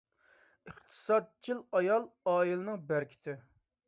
ئىقتىسادچىل ئايال — ئائىلىنىڭ بەرىكىتى.